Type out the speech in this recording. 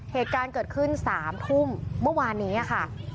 เหตุการณ์เกิดขึ้น๓ทุ่มเมื่อวานนี้ค่ะ